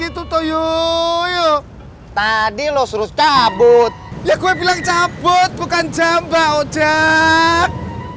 itu yo tadi lo suruh cabut ya gue bilang cabut bukan jam brian